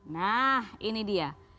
nah ini dia